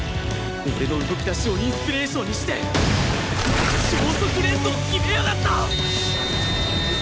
俺の動き出しをインスピレーションにして超速連動決めやがった！